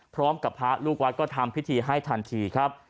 พร้อมกับพระลูกวัดก็ทำพิธีให้ทันทีครับ